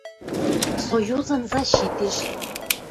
Союзын защитеш.